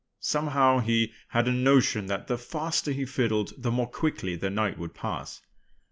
Somehow he had a notion that the faster he fiddled the more quickly the night would pass.